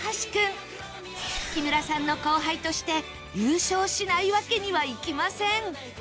木村さんの後輩として優勝しないわけにはいきません